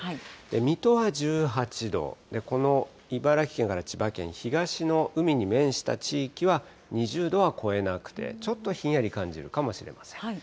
水戸は１８度、この茨城県から千葉県、東の海に面した地域は２０度は超えなくて、ちょっとひんやり感じるかもしれません。